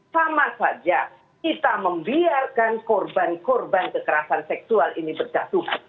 sama saja kita membiarkan korban korban kekerasan seksual ini berjatuhan